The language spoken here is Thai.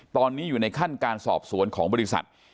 ตอนนี้อยู่ในขั้นการสอบสวนของบริษัท